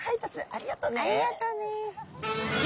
ありがとうね。